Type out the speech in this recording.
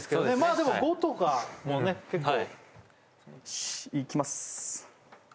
でも５とかもね結構いきます